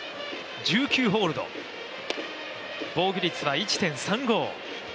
１９ホールド、防御率は１．３５。